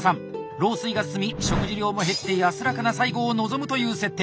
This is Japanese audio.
老衰が進み食事量も減って安らかな最期を望むという設定。